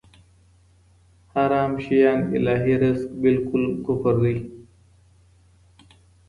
حرام شيان الهي رزق بلل کفر دی.